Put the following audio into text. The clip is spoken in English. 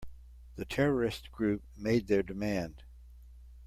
The terrorist group made their demand.